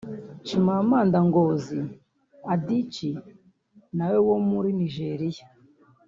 Chimamanda Ngozi Adichie nawe wo muri Nigeria